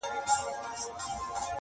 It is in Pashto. مقرر سوه دواړه سم یوه شعبه کي,